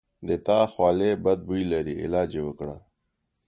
د تا د خولې بد بوي لري علاج یی وکړه